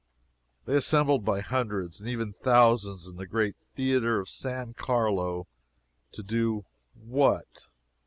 They assembled by hundreds, and even thousands, in the great Theatre of San Carlo, to do what?